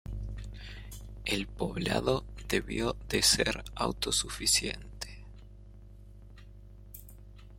El poblado debió de ser autosuficiente.